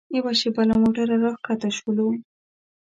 یوه شېبه له موټره راښکته شولو.